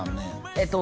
えっと